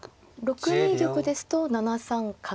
６二玉ですと７三角。